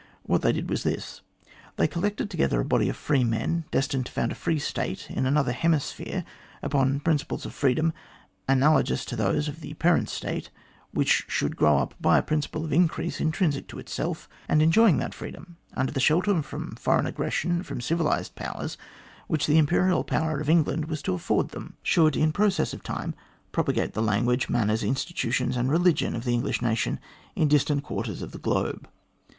What they did was this : they collected together a body of free men destined to found a free State in another hemisphere upon principles of freedom analogous to those of the parent State, which should grow up by a principle of increase intrinsic to itself, and, enjoying that freedom under the shelter against foreign aggression from civilised powers which the Imperial power of England was to afford them, should in process of time propagate the language, manners, institutions, and religion of the English nation in distant quarters of the globe.